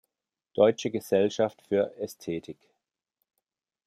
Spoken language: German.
Deutsche Gesellschaft für Ästhetik.